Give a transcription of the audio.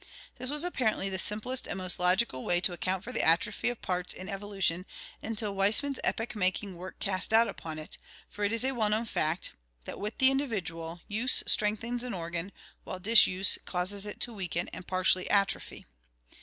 — This was ap parently the simplest and most logical way to account for the atrophy of parts in evolution until Weismann's epoch making work cast doubt upon it, for it is a well known fact that, with the individual, use strengthens an organ while disuse causes it to weaken and partially atrophy.